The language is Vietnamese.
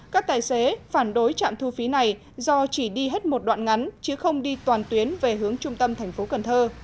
các tài xế phản đối trạm thu phí này do chỉ đi hết một đoạn ngắn chứ không đi toàn tuyến về hướng trung tâm thành phố cần thơ